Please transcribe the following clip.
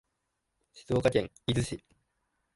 静岡県伊豆市